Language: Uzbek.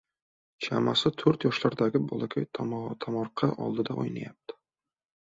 Chamasi to‘rt yoshlardagi bolakay tomorqa oldida oʻynayapti.